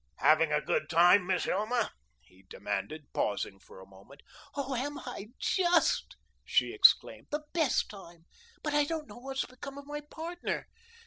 "Having a good time, Miss Hilma?" he demanded, pausing for a moment. "Oh, am I, JUST!" she exclaimed. "The best time but I don't know what has become of my partner.